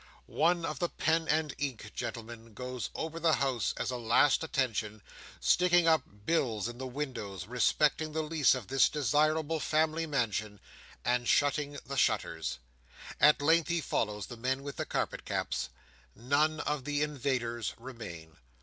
One of the pen and ink gentlemen goes over the house as a last attention; sticking up bills in the windows respecting the lease of this desirable family mansion, and shutting the shutters. At length he follows the men with the carpet caps. None of the invaders remain.